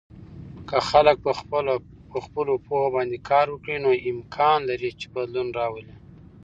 که خلک په خپلو پوهه باندې کار وکړي، نو امکان لري چې بدلون راولي.